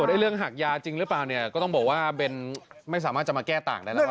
เรื่องหักยาจริงหรือเปล่าเนี่ยก็ต้องบอกว่าเบนไม่สามารถจะมาแก้ต่างได้แล้ว